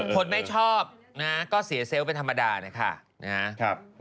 คนไม่ชอบนะก็เป็นธรรมดานะครับ